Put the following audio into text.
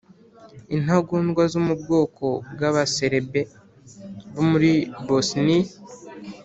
intagondwa zo mu bwoko bw'abaserbe bo muri bosniya